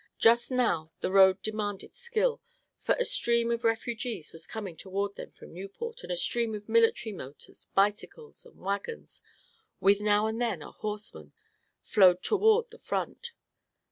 Just now the road demanded skill, for a stream of refugees was coming toward them from Nieuport and a stream of military motors, bicycles and wagons, with now and then a horseman, flowed toward the front.